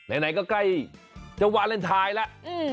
อะไหนก็ใกล้จะวาเลนไทยแล้ว